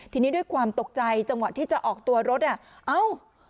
ทีนี้ด้วยความตกใจจังหวะที่จะออกตัวรถอ่ะเอ้า